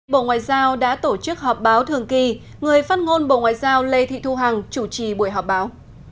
bộ ngoại giao đã tổ chức họp báo thường kỳ người phát ngôn bộ ngoại giao lê thị thu hằng chủ trì buổi họp báo